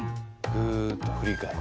ふっと振り返る。